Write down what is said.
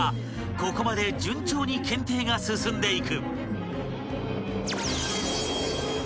ここまで順調に検定が進んでいく］